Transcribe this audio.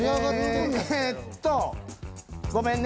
えっとごめんね